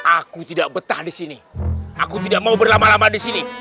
aku tidak betah di sini aku tidak mau berlama lama di sini